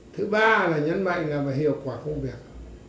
thứ ba là nhấn mạnh là phải hiệu quả công việc